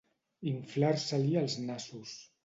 Inflar-se-li els nassos.